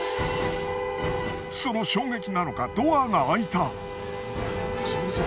その衝撃なのかドアが開いた。